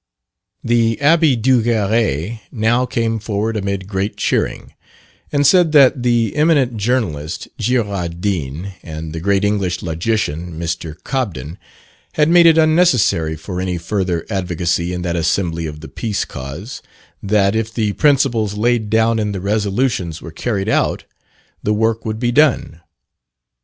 The Abbe Duguerry now came forward amid great cheering, and said that "the eminent journalist, Girardin, and the great English logician, Mr. Cobden, had made it unnecessary for any further advocacy in that assembly of the Peace cause that if the principles laid down in the resolutions were carried out, the work would be done.